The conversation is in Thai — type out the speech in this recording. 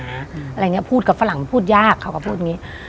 อะไรอย่างนี้พูดกับฝรั่งพูดยากเขาก็พูดอย่างนี้